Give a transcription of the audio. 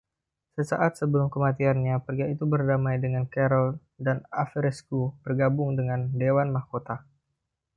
Sesaat sebelum kematiannya, pria itu berdamai dengan Carol, dan Averescu bergabung dengan Dewan Mahkota.